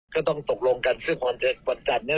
ก็ต้องตกลงกันซึ่งวันจันทร์เนี่ย